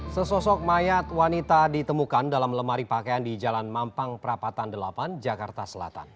sesosok mayat wanita ditemukan dalam lemari pakaian di jalan mampang perapatan delapan jakarta selatan